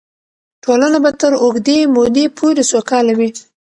ټولنه به تر اوږدې مودې پورې سوکاله وي.